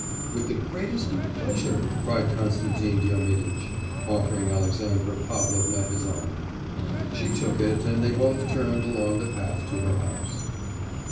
'With the greatest of pleasure!' cried Konstantin Diomiditch, offering Alexandra Pavlovna his arm. She took it and they both turned along the path to her house.